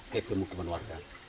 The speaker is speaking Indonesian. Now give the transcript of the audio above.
kayak pemukiman warga